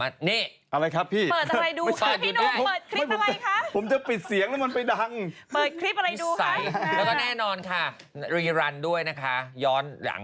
ให้เยอะ